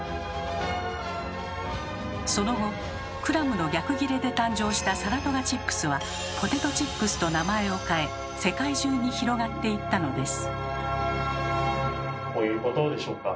その後クラムの逆ギレで誕生したサラトガチップスは「ポテトチップス」と名前を変え世界中に広がっていったのです。